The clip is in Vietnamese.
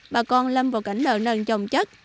bà con lâm vào cảnh lợi nền trồng chất